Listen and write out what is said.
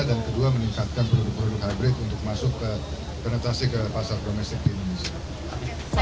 dan kedua meningkatkan produk produk hybrid untuk masuk ke penetrasi ke pasar domestik di indonesia